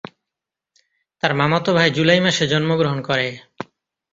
তার মামাতো ভাই জুলাই মাসে জন্মগ্রহণ করে।